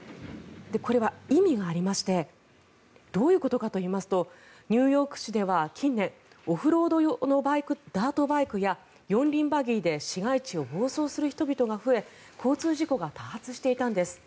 これは、意味がありましてどういうことかといいますとニューヨーク市では近年オフロード用のダートバイクや四輪バギーで市街地を暴走する人々が増え交通事故が多発していたんです。